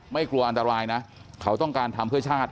กลัวอันตรายนะเขาต้องการทำเพื่อชาติ